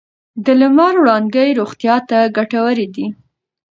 د لمر وړانګې روغتیا ته ګټورې دي.